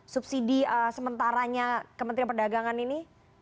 subsidi sementaranya kementerian perdagangan ini